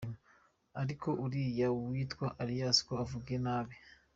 Ariko uriya witwa Alias ko avuga nabi?